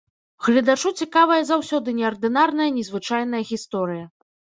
Гледачу цікавая заўсёды неардынарная, незвычайная гісторыя.